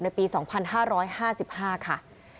ปี๒๕๕๕ค่ะ